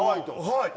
はい。